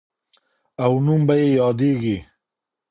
او نوم به یې یادیږي.